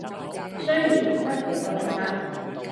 雖然柒嘅都係柒